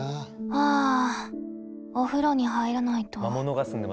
ああお風呂に入らないと。